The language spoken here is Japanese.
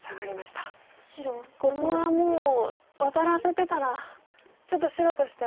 ここはもうワタらせてたらちょっと白としては。